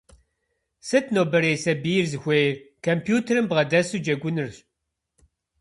Сыт нобэрей сабийр зыхуейр? Компьютерым бгъэдэсу джэгунырщ.